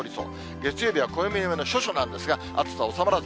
月曜日は暦の上の処暑なんですが、暑さ収まらず。